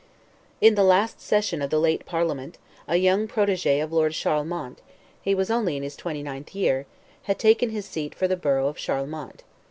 In the last session of the late Parliament, a young protege of Lord Charlemont—he was only in his twenty ninth year—had taken his seat for the borough of Charlemont.